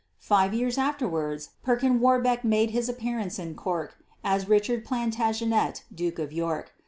Five years afterwards Perkin Warbeck made his appearance in Cork as Richard Plantagenet Duke of York.